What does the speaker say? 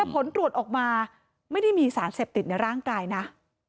ผลตรวจออกมาไม่ได้มีสารเสพติดในร่างกายนะ